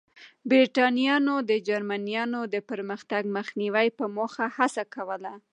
برېټانویانو د جرمنییانو د پرمختګ مخنیوي په موخه هڅه کوله.